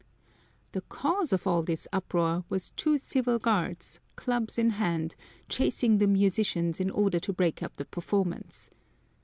The cause of all this uproar was two civil guards, clubs in hand, chasing the musicians in order to break up the performance.